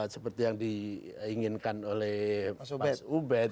seperti yang diinginkan oleh mas ubed